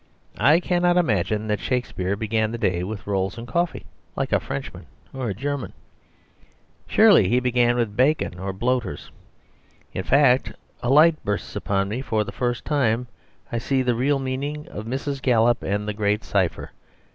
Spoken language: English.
I cannot imagine that Shakespeare began the day with rolls and coffee, like a Frenchman or a German. Surely he began with bacon or bloaters. In fact, a light bursts upon me; for the first time I see the real meaning of Mrs. Gallup and the Great Cipher.